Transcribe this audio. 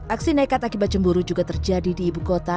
aksi nekat akibat cemburu juga terjadi di ibu kota